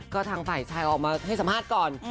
ก็ทางฝ่ายชายออกมาให้สัมภาษณ์ก่อน